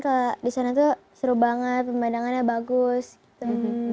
kalau di sana tuh seru banget pemandangannya bagus gitu